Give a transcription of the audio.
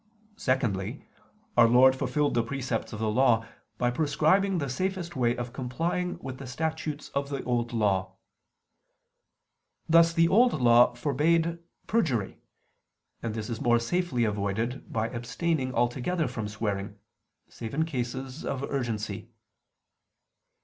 Secondly, Our Lord fulfilled the precepts of the Law by prescribing the safest way of complying with the statutes of the Old Law. Thus the Old Law forbade perjury: and this is more safely avoided, by abstaining altogether from swearing, save in cases of urgency.